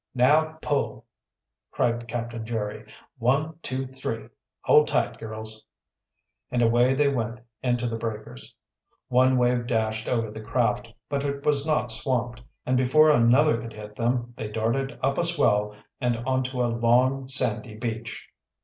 "Now pull!" cried Captain Jerry. "One, two, three! Hold tight, girls!" And away they went into the breakers. One wave dashed over the craft, but it was not swamped, and before another could hit them they darted up a swell and onto a long, sandy beach.